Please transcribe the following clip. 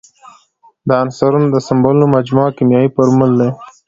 د عنصرونو د سمبولونو مجموعه کیمیاوي فورمول دی.